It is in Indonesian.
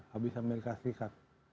habis amerika serikat